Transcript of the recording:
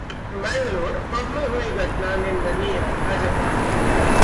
Mangalore pub में हुई घटना निंदनीय: भाजपा